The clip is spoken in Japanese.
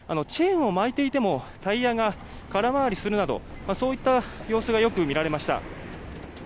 チェーンを巻いていてもタイヤが空回りするなどそういった様子がよく見られました。